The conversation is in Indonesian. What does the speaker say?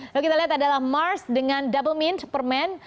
lalu kita lihat adalah mars dengan double mint perman